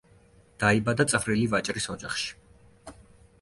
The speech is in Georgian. დაიბადა წვრილი ვაჭრის ოჯახში.